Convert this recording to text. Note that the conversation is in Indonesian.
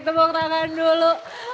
tempok tangan dulu